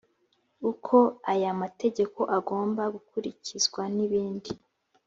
uko aya mategeko agomba gukurikizwa n ibindi